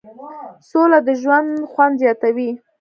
سوله د ژوند خوند زیاتوي.